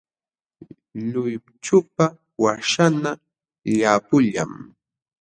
Luychupa waśhanqa llampullam.